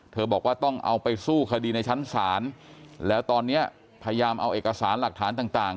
บอกว่าต้องเอาไปสู้คดีในชั้นศาลแล้วตอนนี้พยายามเอาเอกสารหลักฐานต่าง